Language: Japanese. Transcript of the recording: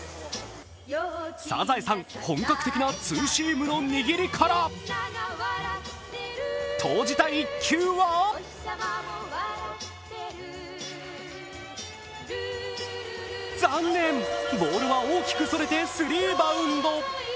サザエさん、本格的なツーシームの握りから投じた一球は残念、ボールは大きくそれてスリーバウンド。